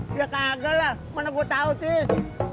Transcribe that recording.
dia kagel lah mana gua tau tis